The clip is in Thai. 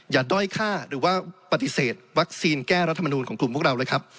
ด้อยค่าหรือว่าปฏิเสธวัคซีนแก้รัฐมนูลของกลุ่มพวกเราเลยครับ